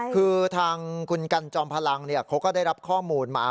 คือทางคุณกันจอมพลังเขาก็ได้รับข้อมูลมา